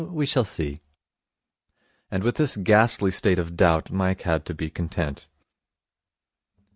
We shall see.' And with this ghastly state of doubt Mike had to be content.